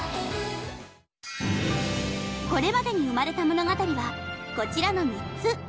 これまでに生まれた物語はこちらの３つ。